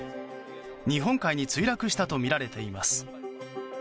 日本海に墜落したとみられています。